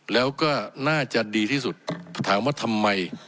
แล้วก็น่าจะดีที่สุดถามว่าทำไม